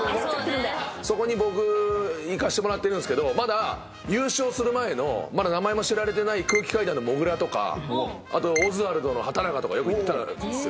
そこに僕行かしてもらってるんすけどまだ優勝する前のまだ名前も知られてない空気階段のもぐらとかあとオズワルドの畠中とかよく行ってたんですよ。